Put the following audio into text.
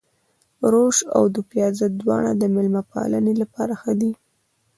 روش او دوپيازه دواړه د مېلمه پالنې لپاره ښه دي.